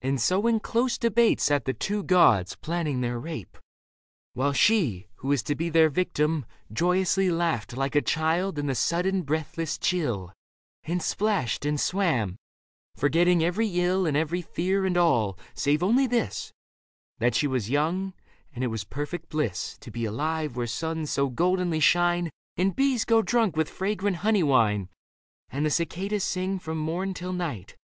And so in close debate Sat the two gods, planning their rape ; while she. Who was to be their victim, joyously Laughed like a child in the sudden breathless chill And splashed and swam, forgetting every ill And every fear and all, save only this : That she was young, and it was perfect bliss To be alive where suns so goldenly shine, And bees go drunk with fragrant honey wine. And the cicadas sing from morn till night.